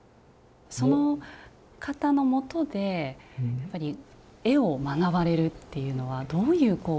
その方のもとでやっぱり絵を学ばれるっていうのはどういうこうお気持ち？